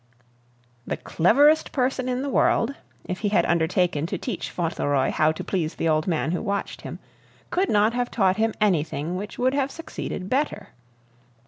The cleverest person in the world, if he had undertaken to teach Fauntleroy how to please the old man who watched him, could not have taught him anything which would have succeeded better.